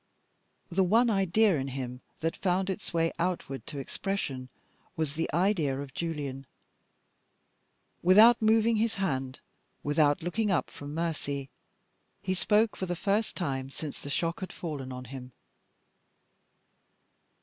The one idea in him that found its way outward to expression was the idea of Julian. Without moving his hand, without looking up from Mercy, he spoke for the first time since the shock had fallen on him.